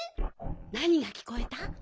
なにがきこえた？